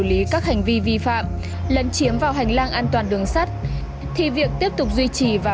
xử lý các hành vi vi phạm lấn chiếm vào hành lang an toàn đường sắt thì việc tiếp tục duy trì và